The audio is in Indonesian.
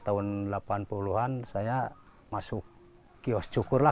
tahun delapan puluh an saya masuk kios cukur lah